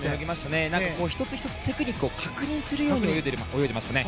１つ１つテクニックを確認するように泳いでいましたね。